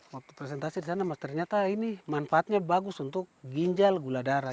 waktu presentasi di sana mas ternyata ini manfaatnya bagus untuk ginjal gula darah